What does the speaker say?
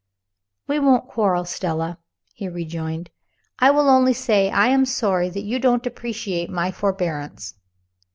"We won't quarrel, Stella," he rejoined; "I will only say I am sorry you don't appreciate my forbearance.